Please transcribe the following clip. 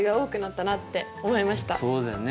そうだよね。